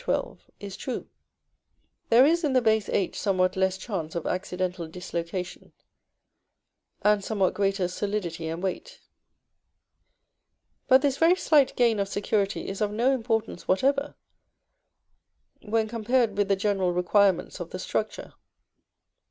XII., is true. There is in the base h somewhat less chance of accidental dislocation, and somewhat greater solidity and weight. But this very slight gain of security is of no importance whatever when compared with the general requirements of the structure.